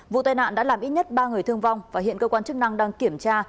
vụ tai nạn đã làm ít nhất ba người thương vong và hiện cơ quan chức năng đang kiểm tra